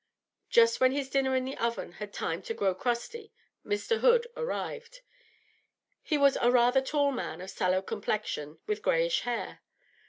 Just when his dinner in the oven had had time to grow crusty, Mr. Hood arrived. He was a rather tall man, of sallow complexion, with greyish hair.